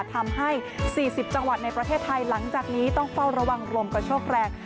ทำให้๔๐จังหวัดในประเทศไทยหลังจากนี้ต้องเฝ้าระวังลมกระโชคแรง